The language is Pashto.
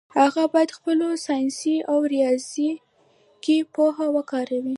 هغه باید خپله ساینسي او ریاضیکي پوهه وکاروي.